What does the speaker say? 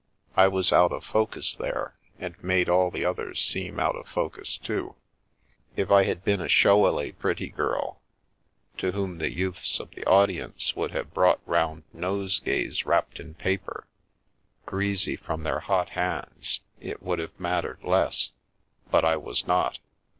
I was out of focus there, and made all the others seem out of ««/:« it Being Fey focus too. If I had been a showily pretty girl, to whom the youths of the audience would have brought round nosegays wrapped in paper, greasy from their hot hands, it would have mattered less, but I was not.